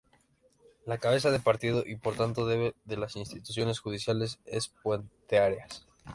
La cabeza de partido y por tanto sede de las instituciones judiciales es Puenteareas.